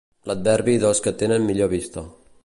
L'adverbi dels que tenen millor vista.